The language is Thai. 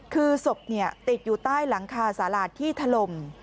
คือศพติดอยู่ใต้หลังคาสาหลาดที่ถล่ม